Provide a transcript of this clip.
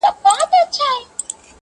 زه ټول عمر په دې ګناه له ژبې اوېزان یم